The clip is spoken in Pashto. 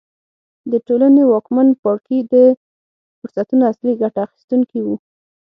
د ټولنې واکمن پاړکي د فرصتونو اصلي ګټه اخیستونکي وو.